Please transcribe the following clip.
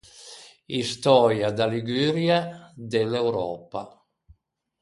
Istöia da Liguria, de l’Europa.